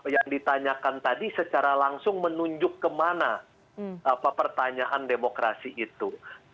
yang ditanyakan tadi secara langsung menunjuk kemana pertanyaan demokrasi itu